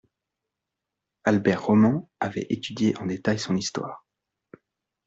Albert Roman avait étudié en détail son histoire.